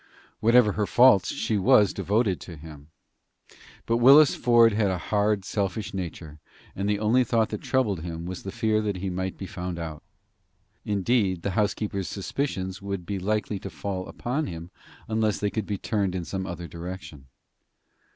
Whatever her faults, she was devoted to him. But Willis Ford had a hard, selfish nature, and the only thought that troubled him was the fear that he might be found out. Indeed, the housekeeper's suspicions would be likely to fall upon him unless they could be turned in some other direction.